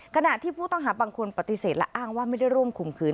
ขณะที่ผู้ต้องหาบางคนปฏิเสธและอ้างว่าไม่ได้ร่วมข่มขืน